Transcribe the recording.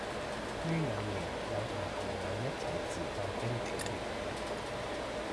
呢兩年有同朋友一齊自製冰皮月餅